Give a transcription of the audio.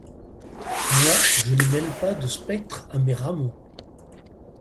Moi, je ne mêle pas de spectre à mes rameaux!